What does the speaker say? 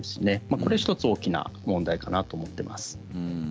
これは１つ大きな問題かなと思っています。